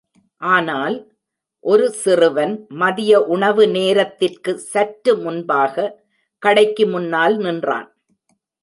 ஆனால், ஒரு சிறுவன் மதிய உணவு நேரத்திற்கு சற்று முன்பாக, கடைக்கு முன்னால் நின்றான்.